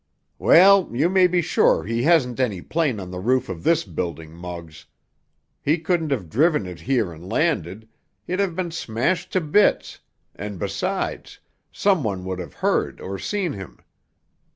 "Well, you may be sure he hasn't any plane on the roof of this building, Muggs. He couldn't have driven it here and landed—he'd have been smashed to bits, and, besides, some one would have heard or seen him.